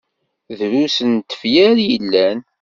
Drus n tefyar i yellan.